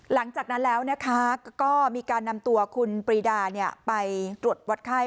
หลังจากนั้นแล้วนะคะก็มีการนำตัวคุณปรีดาไปตรวจวัดไข้